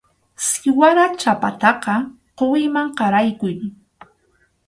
Siwara chhapataqa quwiman qaraykuy.